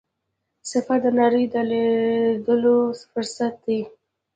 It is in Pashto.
سفر د نړۍ لیدلو فرصت دی.